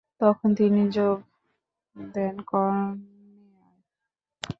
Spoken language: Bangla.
তখন তিনি যোগ দেন কর্নেয়ায়।